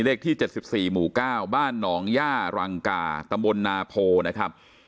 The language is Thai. เลขที่เจ็ดสิบสี่หมู่เก้าบ้านหนองย่ารังกาตะบนนาโพนะครับ